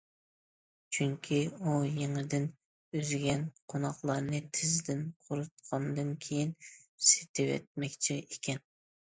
چۈنكى ئۇ يېڭىدىن ئۈزگەن قوناقلارنى تېزدىن قۇرۇتقاندىن كېيىن سېتىۋەتمەكچى ئىكەن.